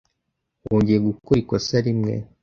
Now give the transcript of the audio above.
Wongeye gukora ikosa rimwe.